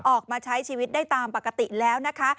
ออกมาใช้ชีวิตได้ตามปกติแล้วนะคะ